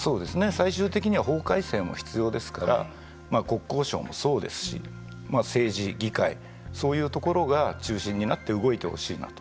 最終的には法改正も必要ですから国交省もそうですし政治、議会そういうところが中心になって動いてほしいなと。